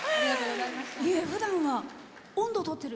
ふだんは音頭をとってる？